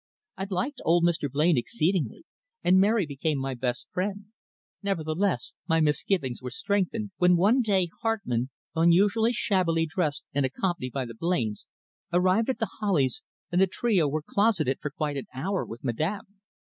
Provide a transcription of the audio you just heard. I liked old Mr. Blain exceedingly, and Mary became my best friend; nevertheless, my misgivings were strengthened, when one day Hartmann, unusually shabbily dressed and accompanied by the Blains, arrived at The Hollies and the trio were closeted for quite an hour with Madame.